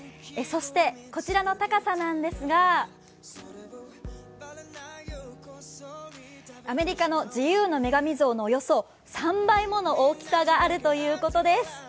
こちらの高さなんですが、アメリカの自由の女神像のおよそ３倍もの大きさがあるとのことです。